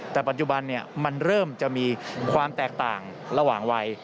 แต่ปัจจุบันมันเริ่มจะมีความแตกต่างระหว่างวัย